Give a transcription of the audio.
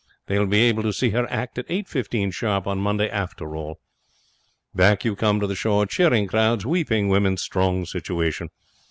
They will be able to see her act at eight fifteen sharp on Monday after all. Back you come to the shore. Cheering crowds. Weeping women. Strong situation.